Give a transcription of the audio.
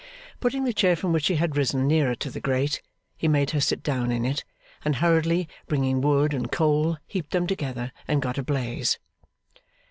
Putting the chair from which he had risen nearer to the grate, he made her sit down in it; and hurriedly bringing wood and coal, heaped them together and got a blaze.